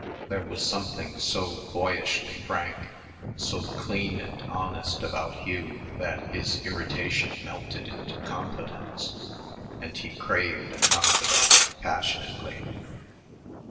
There was something so boyishly frank, so clean and honest about Hugh that his irritation melted into confidence; and he craved a confidant passionately.